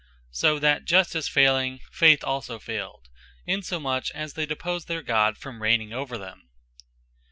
So that Justice Fayling, Faith also fayled: Insomuch, as they deposed their God, from reigning over them.